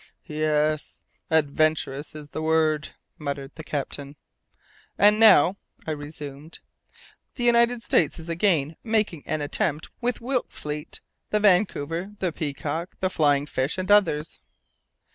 "Yes adventurous is the word!" muttered the captain. "And now," I resumed, "the United States is again making an attempt with Wilkes's fleet, the Vancouver, the Peacock, the Flying Fish, and others."